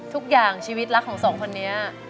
ทุกอย่างชีวิตรักของสองคนนี้